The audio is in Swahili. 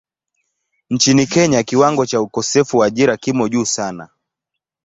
Nchini Kenya kiwango cha ukosefu wa ajira kimo juu sana.